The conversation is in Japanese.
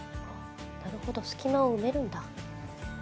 なるほど隙間を埋めるんだ。